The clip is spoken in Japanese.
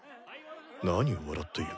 何を笑っている。